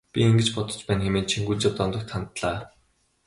Би ингэж бодож байна хэмээн Чингүнжав Дондогт хандлаа.